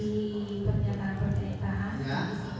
di pernyataan percaya kita